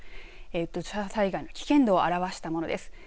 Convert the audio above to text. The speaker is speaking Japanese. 土砂災害の危険度を表したものです。